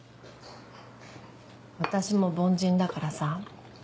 私も凡人だからさ。